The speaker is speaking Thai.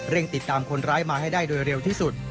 ติดตามคนร้ายมาให้ได้โดยเร็วที่สุด